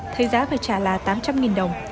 thay giá phải trả là tám trăm linh đồng